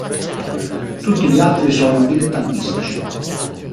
Tutti gli altri sono dilettantistici.